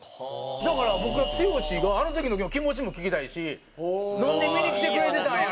だから僕は剛があの時の気持ちも聞きたいしなんで見に来てくれてたんやろ？